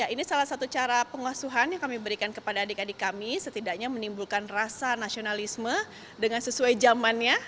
ini salah satu cara pengasuhan yang kami berikan kepada adik adik kami setidaknya menimbulkan rasa nasionalisme dengan sesuai zamannya